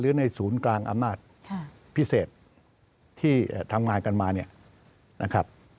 ในศูนย์กลางอำนาจพิเศษที่ทำงานกันมาเนี่ยนะครับ